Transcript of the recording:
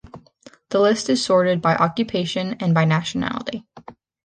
The list is sorted by occupation and by nationality.